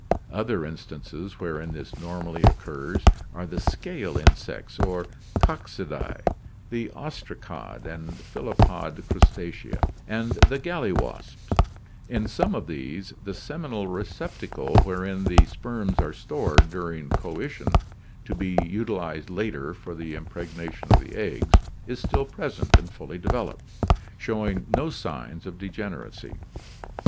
Other instances wherein this normally occurs are the scale insects or Coccidae, the ostracod and phyllopod Crustacea, and the gall wasps. In some of these (Cypris reptans, Apus cancriformis, and certain of the gall wasps), the seminal receptacle wherein the sperms are stored during coition to be utilized later for the im pregnation of the eggs, is still present and fully developed, showing no signs of degeneracy.